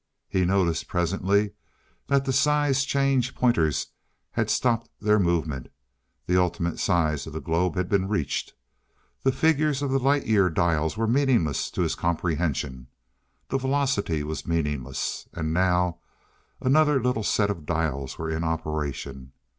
He noticed, presently, that the size change pointers had stopped their movement; the ultimate size of the globe had been reached. The figures of the Light year dials were meaningless to his comprehension. The velocity was meaningless. And now another little set of dials were in operation.